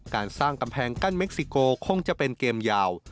การสร้างกำแพงกั้นเม็กซิโกคงจะเป็นเกมยาว